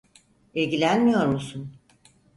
İlgilenmiyor musun?